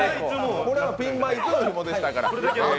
これはピンマイクのひもでしたから。